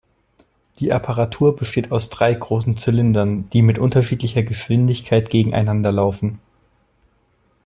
Die Apparatur besteht aus drei großen Zylindern, die mit unterschiedlicher Geschwindigkeit gegeneinander laufen.